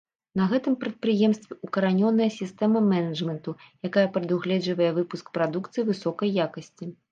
На гэтым прадпрыемстве, укаранёная сістэма менеджменту, якая прадугледжвае выпуск прадукцыі высокай якасці.